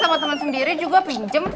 sama teman sendiri juga pinjem